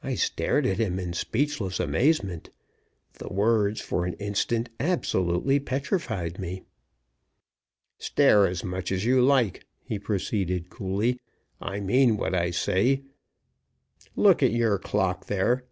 I stared at him in speechless amazement. The words, for an instant, absolutely petrified me. "Stare as much as you like," he proceeded, coolly, "I mean what I say. Look at your clock there.